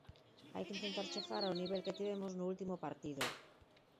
Hai que intentar chegar ao nivel que tivemos no último partido.